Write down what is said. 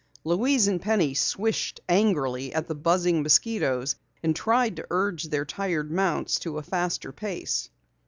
Louise and Penny swished angrily at the buzzing mosquitoes and tried to urge their tired mounts to a faster pace.